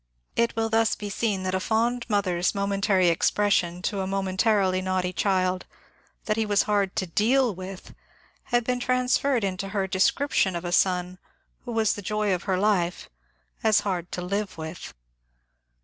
It will thus be seen that a fond mo ther's momentary expression to a momentarily naughty child, that he was hard to deal with, had been transformed into her *' description " of a son, who was the joy of her life, as hard to live with.